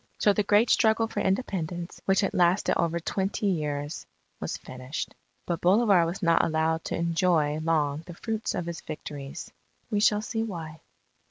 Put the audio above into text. So the great struggle for Independence, which had lasted over twenty years, was finished. But Bolivar was not allowed to enjoy long the fruits of his victories. We shall see why.